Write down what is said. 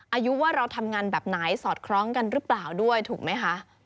อายุว่าเราทำงานแบบไหนสอดคล้องกันหรือเปล่าด้วยถูกไหมคะ